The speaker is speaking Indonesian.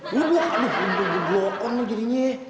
lo buka aduh udah geblok on lo jadinya